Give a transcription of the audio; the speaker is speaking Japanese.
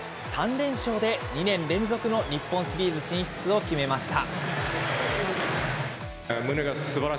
３連勝で２年連続日本シリーズ進出を決めました。